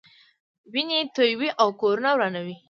وینې تویوي او کورونه ورانوي.